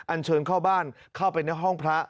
เชิญเข้าบ้านเข้าไปในห้องพระ